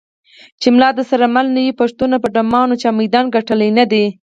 چې ملا درسره مل نه وي پښتونه په ډمانو چا میدان ګټلی نه دی.